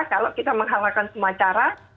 kalau kita menghalalkan semua cara